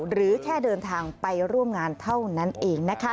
หรือแค่เดินทางไปร่วมงานเท่านั้นเองนะคะ